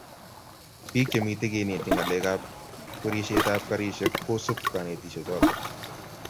biik chemito keneti ngalekab kwerishetab karishek kosup konetishechoto